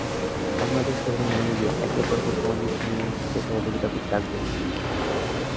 বাংলাদেশ এবং নামিবিয়া একে অপরকে সামাজিক উন্নয়ন খাতে সহযোগিতা করতে আগ্রহী।